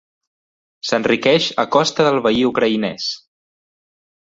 S'enriqueix a costa del veí ucraïnès.